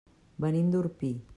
Venim d'Orpí.